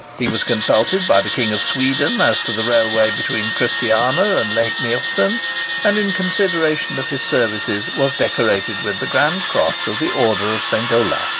He was consulted by the King of Sweden as to the railway between Christiana and Lake Miösen, and in consideration of his services was decorated with the Grand Cross of the Order of St. Olaf.